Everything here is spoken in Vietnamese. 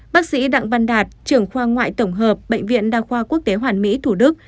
bác sĩ đặng văn đạt trưởng khoa ngoại tổng hợp bệnh viện đa khoa quốc tế hoàn mỹ thủ đức